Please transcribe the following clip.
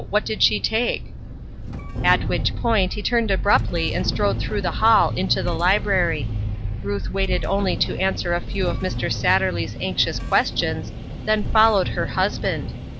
What did she take ?" At which point he turned abruptly and strode through the hall into the library. Ruth waited only to answer a few of Mr. Satterley's anxious questions, then followed her husband.